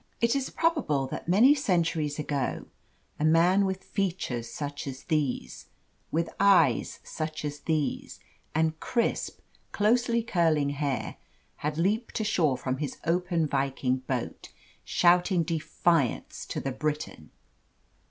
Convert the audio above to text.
It is probable that many centuries ago, a man with features such as these, with eyes such as these, and crisp, closely curling hair, had leaped ashore from his open Viking boat, shouting defiance to the Briton.